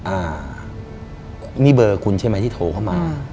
อ่านี่เบอร์คุณใช่ไหมที่โทรเข้ามา